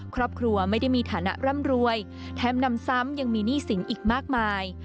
ครอบครัวไม่ได้มีฐานะร่ำรวยแถมนำซ้ำยังมีหนี้สินอีกมากมาย